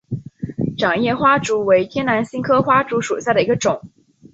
掌叶花烛为天南星科花烛属下的一个种。